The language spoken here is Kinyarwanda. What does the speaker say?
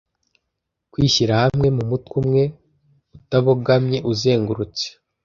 Kwishyira hamwe mumutwe umwe utabogamye uzengurutse